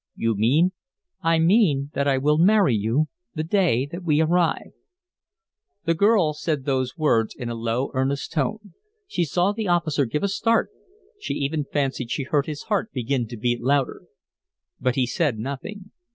"You mean " "I mean that I will marry you the day that we arrive." The girl said those words in a low, earnest tone. She saw the officer give a start, she even fancied she heard his heart begin to beat louder. But he said nothing.